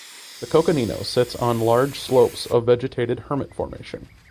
The Coconino sits on large slopes of vegetated Hermit Formation.